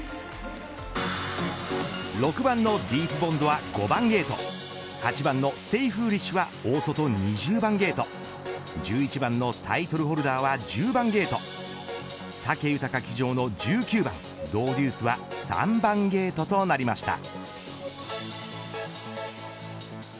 ６番のディープボンドは５番ゲート８番のステイフーリッシュは大外２０番ゲート１１番のタイトルホルダーは１０番ゲート武豊騎乗の１９番ドウデュースは３番ゲートとなりました。